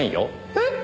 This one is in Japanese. えっ？